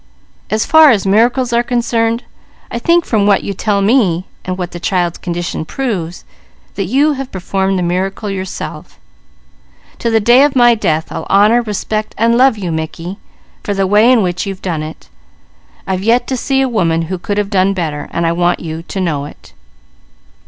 As far as miracles are concerned, I think from what you tell me, and what the child's condition proves, that you have performed the miracle yourself. To the day of my death I'll honour, respect, and love you, Mickey, for the way in which you've done it. I've yet to see a woman who could have done better, so I want you to know it."